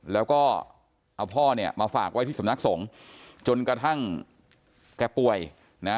แล้วก็เอาพ่อเนี่ยมาฝากไว้ที่สำนักสงฆ์จนกระทั่งแกป่วยนะ